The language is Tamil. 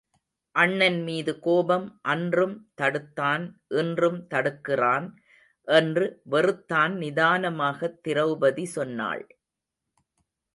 அண்ணன் மீது கோபம் அன்றும் தடுத்தான் இன்றும் தடுக்கிறான் என்று வெறுத்தான் நிதானமாகத் திரெளபதி சொன்னாள்.